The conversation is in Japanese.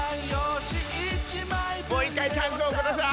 もう一回チャンスをください。